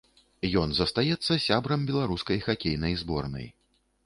Ён застаецца сябрам беларускай хакейнай зборнай.